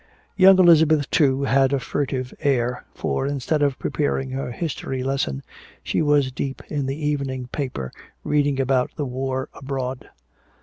Young Elizabeth, too, had a furtive air, for instead of preparing her history lesson she was deep in the evening paper reading about the war abroad.